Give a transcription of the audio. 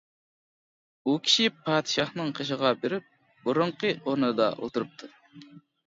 ئۇ كىشى پادىشاھنىڭ قېشىغا بېرىپ بۇرۇنقى ئورنىدا ئولتۇرۇپتۇ.